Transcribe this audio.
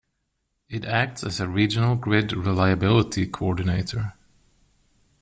It acts as a regional grid reliability coordinator.